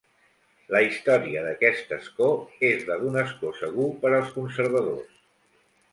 La història d'aquest escó és la d'un escó segur per als Conservadors.